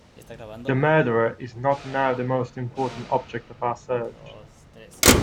The murderer is not now the most important object of our search.